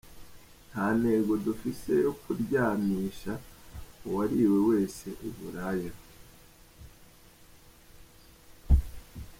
Nta ntego dufise yo kuryanisha uwariwe wese i Buraya.